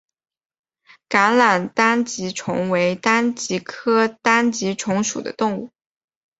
橄榄单极虫为单极科单极虫属的动物。